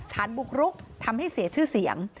ฐานบุกรุกทำให้เสียชื่อเสียง